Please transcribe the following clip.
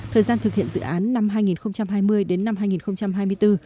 thời gian thực hiện dự án năm hai nghìn hai mươi đến năm hai nghìn hai mươi bốn